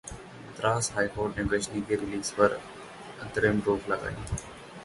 Madras high court ने 'गजनी' की release पर अंतरिम रोक लगाई